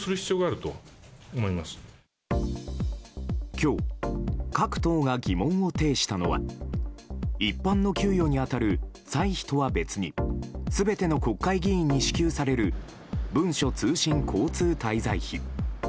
今日、各党が疑問を呈したのは一般の給与に当たる歳費とは別に全ての国会議員に支給される文書通信交通滞在費。